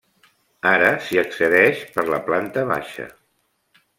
Ara s'hi accedeix per la planta baixa.